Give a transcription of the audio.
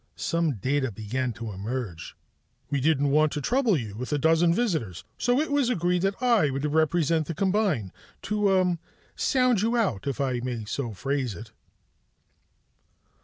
Some data began to emerge: " we didn't want to trouble you with a dozen visitors, so it was agreed that I would represent the combine to, ah, sound you out, if I may so phrase it."